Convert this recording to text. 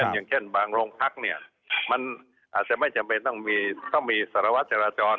อย่างเช่นบางโรงพักเนี่ยมันอาจจะไม่จำเป็นต้องมีสารวัตรจราจร